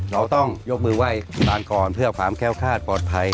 เราต้องยกมือไหว้คุณตานก่อนเพื่อความแค้วคาดปลอดภัย